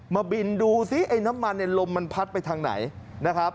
มาบินดูซิไอ้น้ำมันไอ้ลมมันพัดไปทางไหน